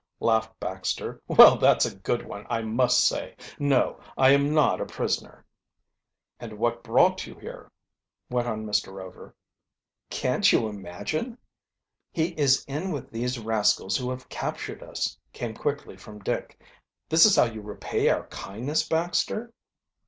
laughed Baxter. "Well, that's a good one, I must say. No, I am not a prisoner." "And what brought you here?" went on Mr. Rover. "Can't you imagine?" "He is in with these rascals who have captured us," came quickly from Dick. "This is how you repay our kindness, Baxter?"